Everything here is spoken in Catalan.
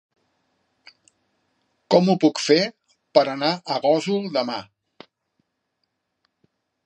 Com ho puc fer per anar a Gósol demà?